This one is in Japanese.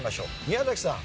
宮崎さん。